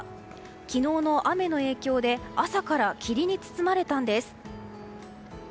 昨日の雨の影響で朝から霧に包まれたんです。